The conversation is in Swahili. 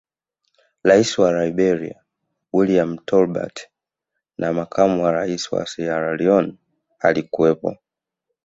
Rais wa Liberia William Tolbert na makamu wa Rais wa sierra Leone alikuwepo